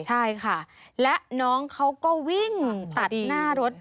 ใช่ค่ะและน้องเขาก็วิ่งตัดหน้ารถ